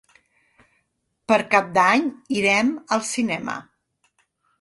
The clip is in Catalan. Per Cap d'Any irem al cinema.